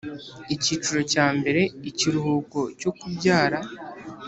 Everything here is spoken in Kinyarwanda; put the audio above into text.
Icyiciro cya mbere Ikiruhuko cyo kubyara